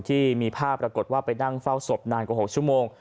ที่มีภาพปรากฏว่าไปนั่งเฝ้าศพนานกว่า๖ชั่วโมง